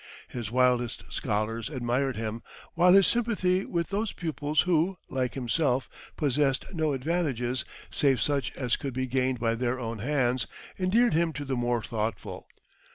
His wildest scholars admired him; while his sympathy with those pupils who, like himself, possessed no advantages save such as could be gained by their own hands, endeared him to the more thoughtful.